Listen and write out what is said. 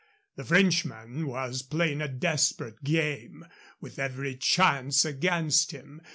The Frenchman was playing a desperate game, with every chance against him.